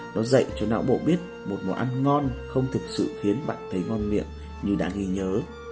nó dạy cho não bộ biết một món ăn ngon không thực sự khiến bạn thấy ngon miệng như đã ghi nhớ